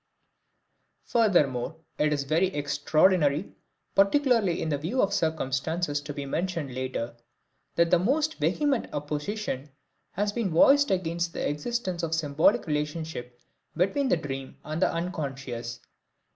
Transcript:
Furthermore, it is very extraordinary, particularly in view of circumstances to be mentioned later, that the most vehement opposition has been voiced against the existence of the symbolic relationship between the dream and the unconscious.